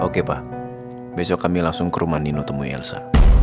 oke pak besok kami langsung ke rumah dino temui elsa